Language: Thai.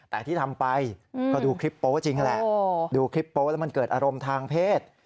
แต่ที่ทำไปก็ดูคลิปโป๊จริงแหละดูคลิปโป๊แล้วมันเกิดอารมณ์ทางเพศ